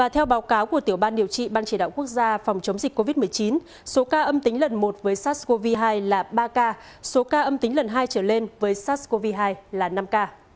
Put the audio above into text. theo báo cáo của tiểu ban điều trị ban chỉ đạo quốc gia phòng chống dịch covid một mươi chín số ca âm tính lần một với sars cov hai là ba ca số ca âm tính lần hai trở lên với sars cov hai là năm ca